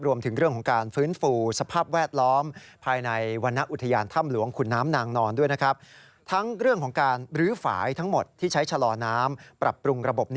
รวมถึงเรื่องของการฟื้นฟูสภาพแวดล้อมภายในวรรณอุทยานถ้ำหลวงขุนน้ำนางนอนด้วยนะครับ